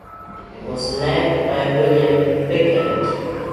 It was led by William Pickard.